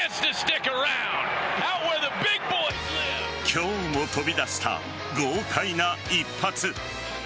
今日も飛び出した豪快な一発。